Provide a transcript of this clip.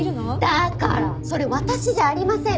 だからそれ私じゃありませんって！